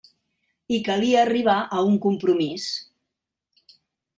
I calia arribar a un compromís.